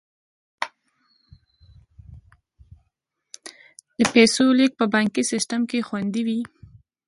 د پیسو لیږد په بانکي سیستم کې خوندي وي.